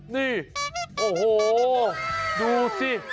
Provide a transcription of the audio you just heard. นี่โอ้โหดูสิ